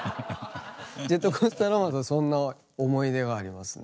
「ジェットコースター・ロマンス」はそんな思い出がありますね。